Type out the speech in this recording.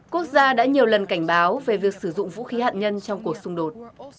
quốc gia đã nhiều lần cảnh báo về việc sử dụng vũ khí hạt nhân trong cuộc xung đột